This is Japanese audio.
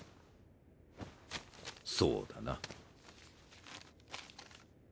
そうだな。